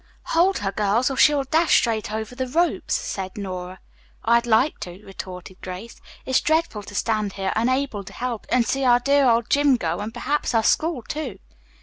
"Hold her girls, or she'll dash straight over the ropes," said Nora. "I'd like to," retorted Grace. "It's dreadful to stand here unable to help and see our dear old gym. go, and perhaps our school, too."